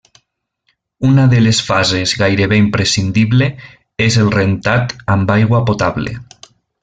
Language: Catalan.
Una de les fases gairebé imprescindible és el rentat amb aigua potable.